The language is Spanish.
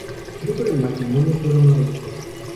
Fruto del matrimonio fueron nueve hijos.